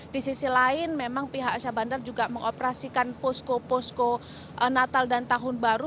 di sisi lain memang pihak asia bandar juga mengoperasikan posko posko natal dan tahun baru